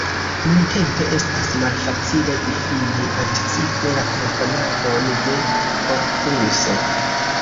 Nuntempe, estas malfacile difini anticipe la komponadon de korpuso.